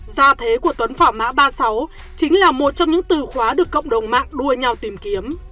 gia thế của tuấn phỏ má ba mươi sáu chính là một trong những từ khóa được cộng đồng mạng đua nhau tìm kiếm